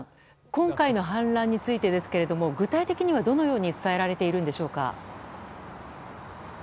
今回の反乱についてですが具体的にはどのように伝えられているのでしょうか。